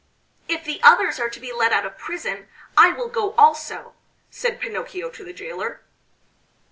"If the others are to be let out of prison, I will go also," said Pinocchio to the jailor.